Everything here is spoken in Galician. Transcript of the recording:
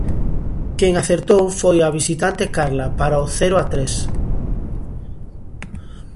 Quen acertou foi a visitante Carla para o cero a tres.